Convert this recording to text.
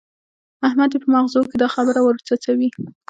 احمد يې په مغزو کې دا خبره ور څڅوي.